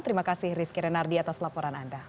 terima kasih rizky renardi atas laporan anda